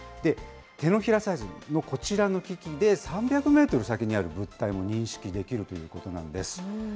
手のひらサイズのこちらの機器で、３００メートル先にある物体も認識できるということなんです。